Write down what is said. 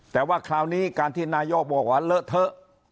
แต่ว่าคราวนี้การที่นายกบอกว่าเลอะเทอะ